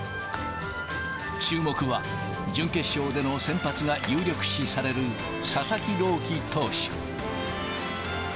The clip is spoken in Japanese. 注目は、準決勝での先発が有力視される佐々木朗希投手。